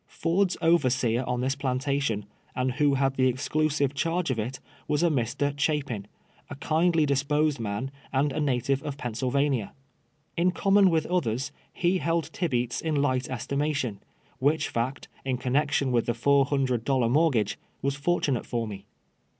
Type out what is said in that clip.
Ford's overseer on this plantation, and who had the exclusive charge of it, was a Mr. Chapin, a kindly dis posed man, and a native of Pennsylvania. In com mon with others, he held Tibeats in light estimation, which fact, in connection Avith the four hundred dol lar mortgage, was fortunate for me.